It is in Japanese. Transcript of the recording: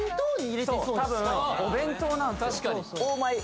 多分お弁当なんすよ